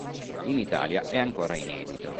In Italia è ancora inedito.